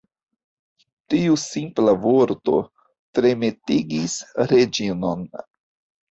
Tiu simpla vorto tremetigis Reĝinon.